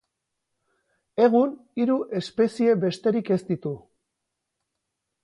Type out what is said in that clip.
Egun hiru espezie besterik ez ditu.